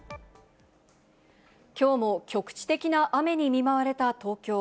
きょうも局地的な雨に見舞われた東京。